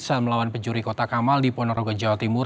saat melawan pencuri kota kamal di ponorogo jawa timur